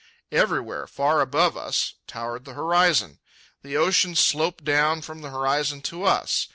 Everywhere, far above us, towered the horizon. The ocean sloped down from the horizon to us.